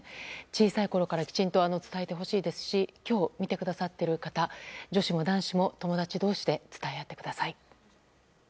小さいころからきちんと伝えてほしいですし今日見てくださっている方女子も男子も友達同士で伝え合ってください。